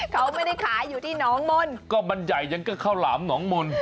เขาไม่ได้ขายอยู่ที่น้องมนต์ก็มันใหญ่ยังก็ข้าวหลามหนองมนต์